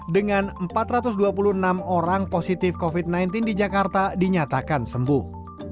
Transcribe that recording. dengan empat ratus dua puluh enam orang positif covid sembilan belas di jakarta dinyatakan sembuh